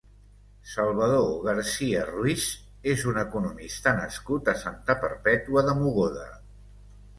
Salvador Garcia-Ruiz és un economista nascut a Santa Perpètua de Mogoda.